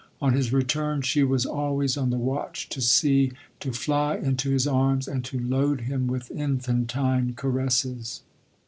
On his return, she was always on the watch to see, to fly into his arms, and to load him with infantine caresses.